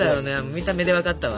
見た目で分かったわ。